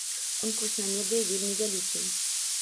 Конкурс на медыя вельмі вялікі.